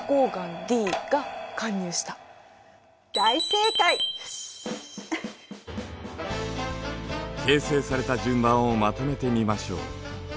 形成された順番をまとめてみましょう。